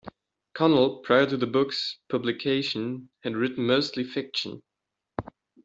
Connell prior to the book's publication had written mostly fiction.